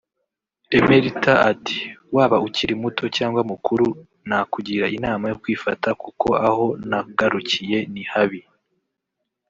Emeritha ati ”Waba ukiri muto cyangwa mukuru nakugira inama yo kwifata kuko aho nagarukiye ni habi